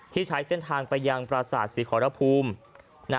ใช้เส้นทางไปยังปราศาสตร์ศรีขอรภูมิ